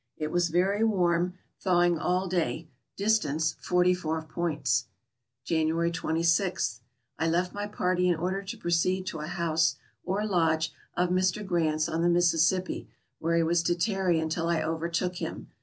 It was very warm; thawing all day. Distance forty four points. January 26. — I left my party in order to proceed to a house, or lodge, of Mr. Grant's on the Mississippi, where he was to tarry until I overtook him.